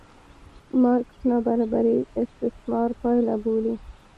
مارکس نابرابري استثمار پایله بولي.